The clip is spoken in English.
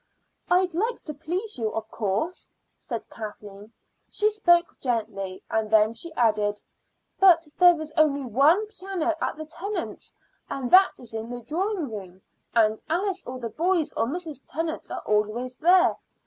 "I'd like to please you, of course," said Kathleen. She spoke gently, and then she added: "But there is only one piano at the Tennants', and that is in the drawing room, and Alice or the boys or Mrs. Tennant are always there.